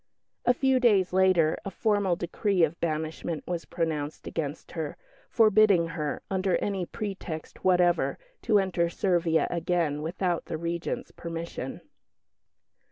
A few days later a formal decree of banishment was pronounced against her, forbidding her, under any pretext whatever, to enter Servia again without the Regent's permission.